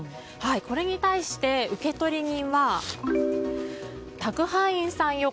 これに対して、受取人は宅配員さんよ